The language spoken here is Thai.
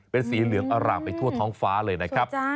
เป็นสีเหลืองอร่ามไปทั่วท้องฟ้าเลยนะครับ